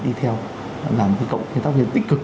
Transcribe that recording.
đi theo làm cái cộng tác viên tích cực